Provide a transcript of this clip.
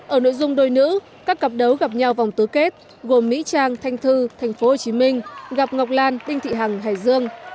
ở nội dung đôi nữ các cặp đấu gặp nhau vòng tứ kết gồm mỹ trang thanh thư tp hcm gặp ngọc lan đinh thị hằng hải dương